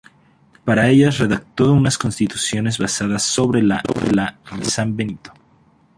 Para ellas redactó unas constituciones basadas sobre la "Regla de San Benito".